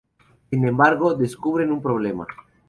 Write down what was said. Sin embargo, descubren un problema.